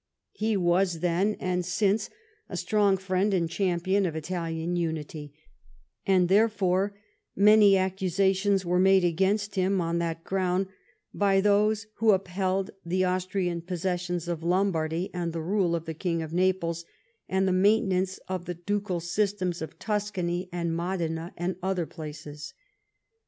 He was then and since a strong friend and cham pion of Italian unity and therefore many accusa tions were made against him on that ground by those who upheld the Austrian possession of Lom bardy, and the rule of the King of Naples, and the maintenance of the ducal systems of Tuscany and Modena and other places.